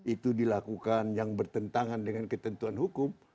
itu dilakukan yang bertentangan dengan ketentuan hukum